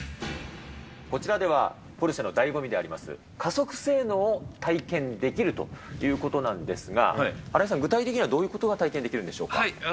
こちらでは、ポルシェのだいご味であります、加速性能を体験できるということなんですが、新井さん、具体的にはどういうことが体験できるんでしょうか。